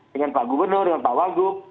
dengan pak gubernur dengan pak wagub